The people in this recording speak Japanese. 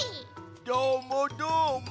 どーもどーも。